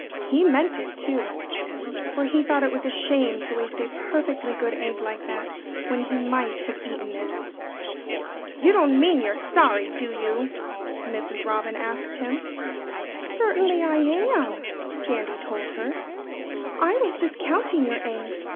He meant it, too. For he thought it was a shame to waste a perfectly good egg like that, when he might have eaten it. "You don't mean you're sorry, do you?" Mrs. Robin asked him. "Certainly I am!" Sandy told her. "I was just counting your eggs.